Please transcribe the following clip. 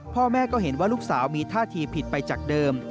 พ่อแม่ก็เห็นว่าลูกสาวมีท่าทีผิดไปจากเดิม